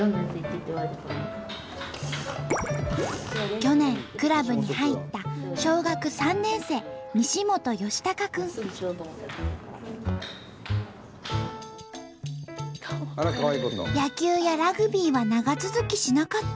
去年クラブに入った小学３年生野球やラグビーは長続きしなかった。